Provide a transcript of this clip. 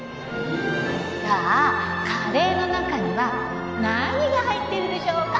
じゃあカレーの中には何が入っているでしょうか？